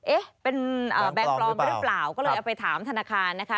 เอ๊ะเป็นแบงค์ปลอมหรือเปล่าก็เลยเอาไปถามธนาคารนะคะ